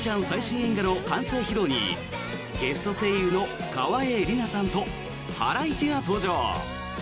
最新映画の完成披露にゲスト声優の川栄李奈さんとハライチが登場。